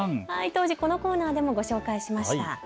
当時、このコーナーでもご紹介しました。